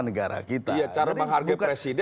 negara kita cara menghargai presiden